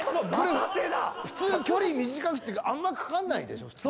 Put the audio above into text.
普通距離短くしたらあんまかかんないでしょ普通。